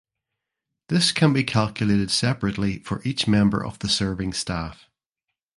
This can be calculated separately for each member of the serving staff.